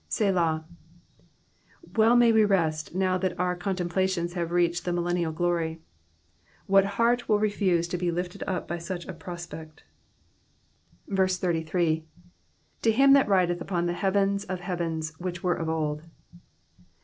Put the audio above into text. ^'Selah.'*^ Well may we rest now that our contemplations have reached the millenial glory. What heart will refuse to be lifted up by such a prospect 1 33. To him that rideth upon the heavens of heavens, which were of old.''''